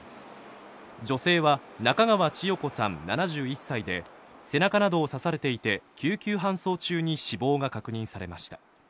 女性は中川千代子さん７１歳で背中などを刺されていて、救急搬送中に死亡が確認されました。